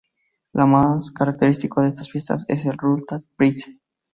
Lo más característico de estas fiestas es el "Rural Prix".